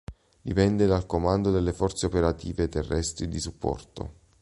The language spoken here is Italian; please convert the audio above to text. Dipende dal Comando delle Forze Operative Terrestri di Supporto.